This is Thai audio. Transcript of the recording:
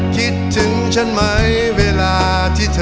คิดถึงฉันไหมเวลาที่เธอ